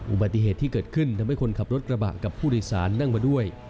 อุบัติเหตุที่เกิดขึ้นทำให้คนขับรถกระบะกับผู้โดยสารนั่งมาด้วย